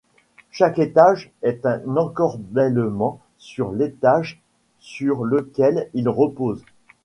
Chaque étage est en encorbellement sur l'étage sur lequel il repose.